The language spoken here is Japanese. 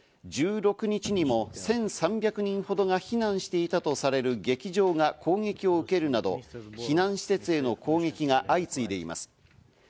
１６日にも１３００人ほどが避難していたとされる劇場が攻撃を受けるなど、避難施設への攻撃が相次いでいます。